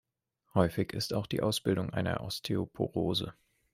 Häufig ist auch die Ausbildung einer Osteoporose.